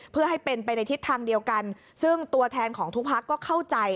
เพื่อให้เป็นไปในทิศทางเดียวกันซึ่งตัวแทนของทุกพักก็เข้าใจ